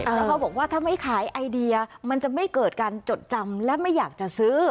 แล้วเขาบอกว่าถ้าไม่ขายไอเดียมันจะไม่เกิดการจดจำและไม่อยากจะซื้อ